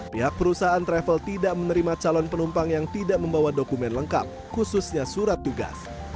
pihak perusahaan travel tidak menerima calon penumpang yang tidak membawa dokumen lengkap khususnya surat tugas